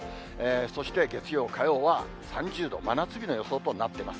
そして月曜、火曜は３０度、真夏日の予想となっています。